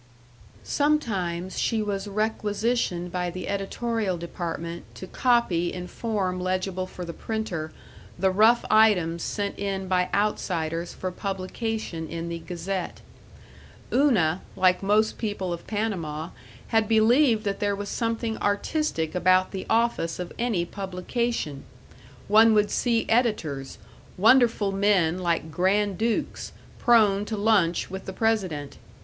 Sometimes she was requisitioned by the editorial department to copy in form legible for the printer the rough items sent in by outsiders for publication in the Gazette. Una, like most people of Panama, had believed that there was something artistic about the office of any publication. One would see editors wonderful men like grand dukes, prone to lunch with the President.